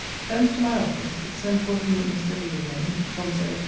Thence to my office, sent for to meet Mr. Leigh again; from Sir H.